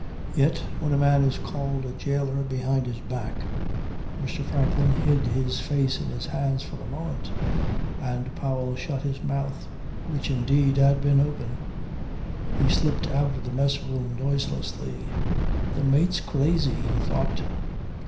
Yet when a man is called a jailer behind his back." Mr. Franklin hid his face in his hands for a moment and Powell shut his mouth, which indeed had been open. He slipped out of the mess room noiselessly. "The mate's crazy," he thought.